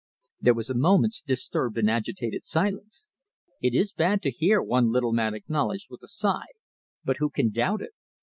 There was a moment's disturbed and agitated silence. "It is bad to hear," one little man acknowledged, with a sigh, "but who can doubt it?